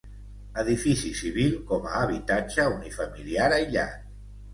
Edifici civil com a habitatge unifamiliar aïllat.